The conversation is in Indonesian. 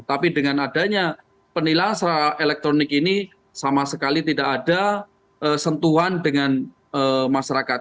tapi dengan adanya penilang secara elektronik ini sama sekali tidak ada sentuhan dengan masyarakat